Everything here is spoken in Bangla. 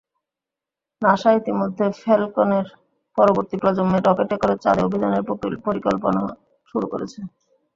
নাসা ইতিমধ্যে ফ্যালকনের পরবর্তী প্রজন্মের রকেটে করে চাঁদে অভিযানের পরিকল্পনা শুরু করেছে।